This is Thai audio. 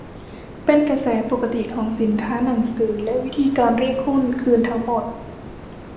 เป็นกระแสปกติของสินค้า หนังสือ และวิธีการเรียกหุ้นคืนทั้งหมด